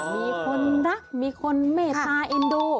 มีคนรักมีคนเมตตาเอ็นดู